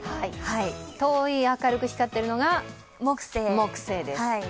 遠い明るく光っているのが木星です。